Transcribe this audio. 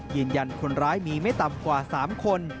ยืนยันคนร้ายมีไม่ต่ำกว่า๓คน